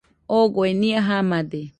Ogoe nɨa jamade